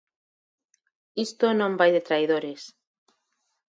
Isto non vai de traidores.